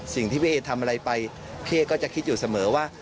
สิ่งที่พี่เอทำอะไรไปพี่เอ๊ก็จะคิดอยู่เสมอว่า